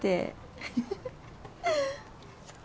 フフフフ。